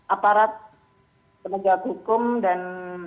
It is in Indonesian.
aparat penegak hukum dan